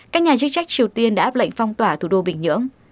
các nhà chức trách triều tiên đã áp lệnh phong tỏa thủ đô bình nhưỡng